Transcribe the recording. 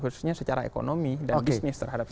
khususnya secara ekonomi dan bisnis terhadap